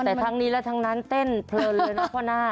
แต่ทั้งนี้และทั้งนั้นเต้นเพลินเลยนะพ่อหน้า